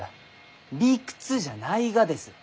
理屈じゃないがです！